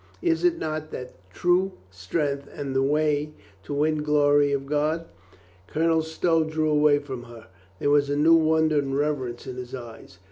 Is not that true strength and the way to win glory of God?" Colonel Stow drew away from her. There was new wonder and reverence in his eyes.